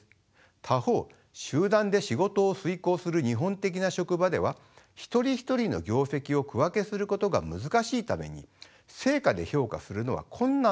他方集団で仕事を遂行する日本的な職場では一人一人の業績を区分けすることが難しいために成果で評価するのは困難となります。